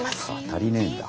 足りねえんだ。